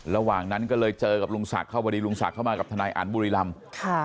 ระหว่างนั้นก็เลยเจอกับลุงศักดิ์เข้ามากับธนายอ่านบุรีลำ